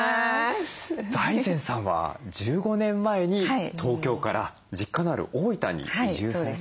財前さんは１５年前に東京から実家のある大分に移住されたんですよね。